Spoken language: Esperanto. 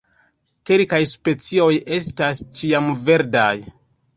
Kelkaj specioj estas ĉiamverdaj.